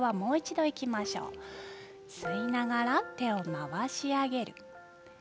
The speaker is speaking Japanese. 吸いながら手を回し上げる。